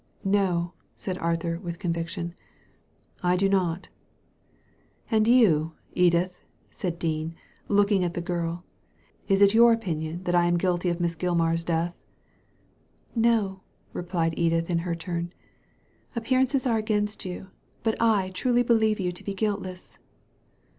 "No," said Arthur, with conviction, " I do not "And you, Edith," said Dean, looking at the girl, "is it your opinion that I am guilty of Miss Gilmar's death?" " No," replied Edith, in her turn. " Appearances are against you, but I truly believe you to be guilt less."